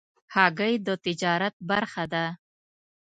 هګۍ د تجارت برخه ده.